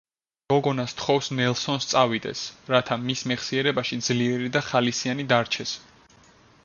გოგონა სთხოვს ნელსონს წავიდეს, რათა მის მეხსიერებაში ძლიერი და ხალისიანი დარჩეს.